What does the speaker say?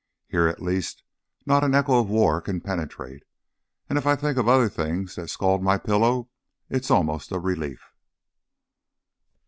"Here, at least, not an echo of war can penetrate, and if I think of other things that scald my pillow, it is almost a relief."